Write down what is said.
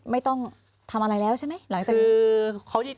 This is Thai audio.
ไม่ต้องทำอะไรแล้วใช่ไหมหลังจากนี้